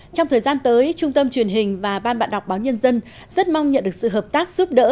trong thời gian tới trung tâm truyền hình và ban bạn đọc báo nhân dân rất mong nhận được sự hợp tác giúp đỡ